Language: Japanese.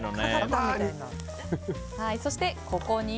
そして、ここに。